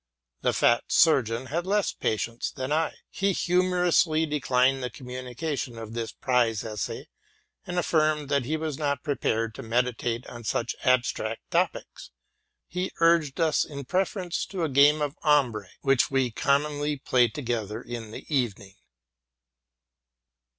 The fat surgeon had less patience than I: he humorously declined the communication of this prize essay, and aflirmed that he was not prepared to meditate on such abstract topics. He urged us in preference to a game of ombre, which we commonly played together in the evening.